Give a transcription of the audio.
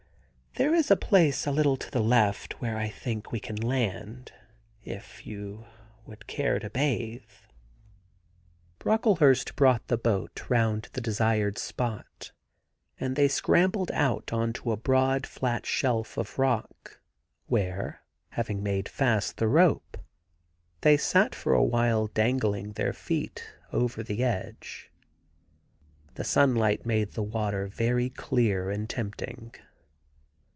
* There is a place a little to the left where I think we can land if you would care to bathe.' Brocklehurst brought the boat round to the desired F 81 THE GARDEN GOD spot, and they scrambled out on to a broad flat shelf of rock where, having made fast the rope, they sat for a while dangling their feet over the edge. The sunlight made the water very clear and tempting.